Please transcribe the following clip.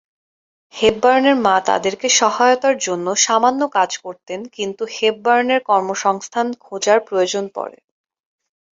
হেপবার্নের মা তাদেরকে সহায়তার জন্যে সামান্য কাজ করতেন কিন্তু হেপবার্নের কর্মসংস্থান খোঁজার প্রয়োজন পড়ে।